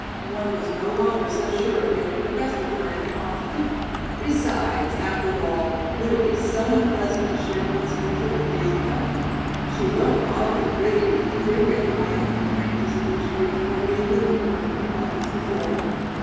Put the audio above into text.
One was no longer so sure of getting the best of her in an argument. Besides, after all, would it be so unpleasant to share one's future with Bianca? She looked oddly pretty and ethereal high up in the branches of the tree where he had lifted her a few moments before.